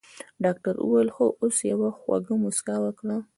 ډاکټر وويل خو اوس يوه خوږه مسکا وکړه.